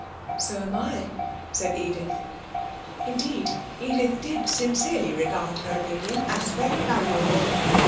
'So am I,' said Edith. Indeed Edith did sincerely regard her opinion as very valuable.